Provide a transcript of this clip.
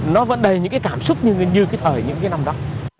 nó vẫn đầy những cái cảm xúc như cái thời những cái năm đó